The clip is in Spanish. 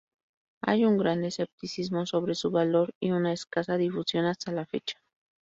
Hay un gran escepticismo sobre su valor y una escasa difusión hasta la fecha.